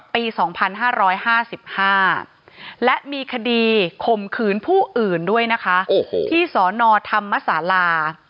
ปี๒๕๕๕และมีคดีข่มขืนผู้อื่นด้วยนะคะที่สนธรรมศาลา